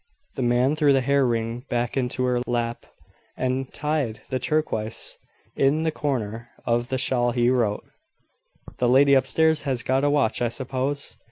The man threw the hair ring back into her lap, and tied the turquoise in the corner of the shawl he wore. "The lady up stairs has got a watch, I suppose."